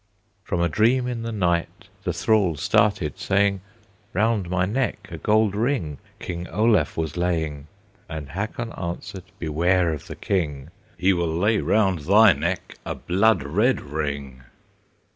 From a dream in the night the thrall started, saying, "Round my neck a gold ring King Olaf was laying!" And Hakon answered, "Beware of the king! He will lay round thy neck a blood red ring."